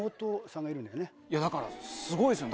だからすごいっすよね